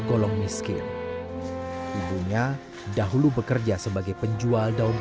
kalau mau mensyukuri tidak mengambil harapan lain